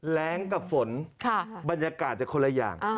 แรงกับฝนบรรยากาศจะคนละอย่าง